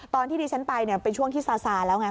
ตอนที่ดิฉันไปเป็นช่วงที่ซาซาแล้วไง